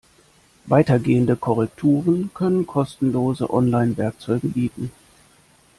Weitergehende Korrekturen können kostenlose Online-Werkzeuge bieten.